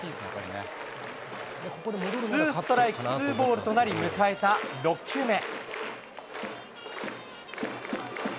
ツーストライクツーボールとなり、迎えた６球目。